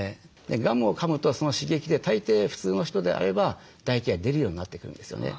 ガムをかむとその刺激で大抵普通の人であれば唾液が出るようになってくるんですよね。